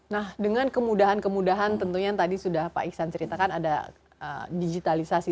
nah dengan kemudahan kemudahan tentunya tadi sudah pak iksan ceritakan ada digitalisasi seperti ini